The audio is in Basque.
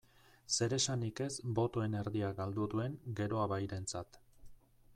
Zeresanik ez botoen erdia galdu duen Geroa Bairentzat.